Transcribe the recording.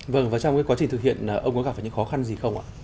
và trong quá trình thực hiện ông có gặp những khó khăn gì không